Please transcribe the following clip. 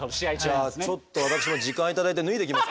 じゃあちょっと私も時間頂いて脱いできますかね。